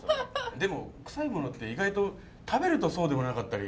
でもクサいものって意外と食べるとそうでもなかったり。